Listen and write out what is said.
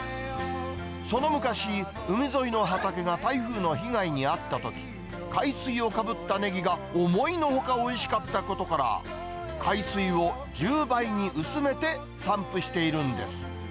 その昔、海沿いの畑が台風の被害に遭ったとき、海水をかぶったねぎが思いのほかおいしかったことから、海水を１０倍に薄めて散布しているんです。